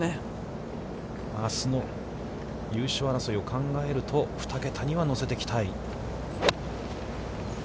あすの優勝争いを考えると、２桁には乗せていきたい。